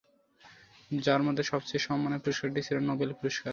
যার মধ্যে সবচেয়ে সম্মানের পুরস্কারটি ছিল নোবেল পুরস্কার।